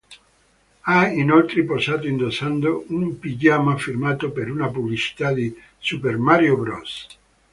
Ha inoltre posato indossando un pigiama firmato per una pubblicità di "Super Mario Bros.